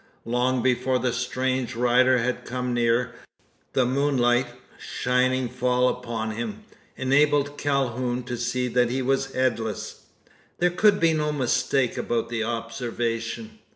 Long before the strange rider had come near, the moonlight, shining fall upon him, enabled Calhoun to see that he was headless! There could be no mistake about the observation.